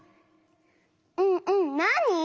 うんうんなに？